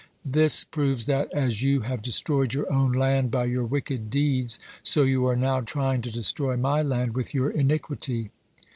This proves that, as you have destroyed your own land by your wicked deeds, so you are now trying to destroy my land with your iniquity."